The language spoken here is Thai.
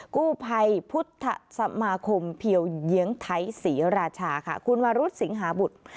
กู้ภัยพุทธสมาคมเพียวเยียงไทยศรีราชาค่ะคุณวรุษสิงหาบุตร